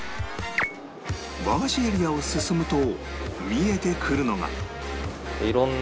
和菓子エリアを進むと見えてくるのが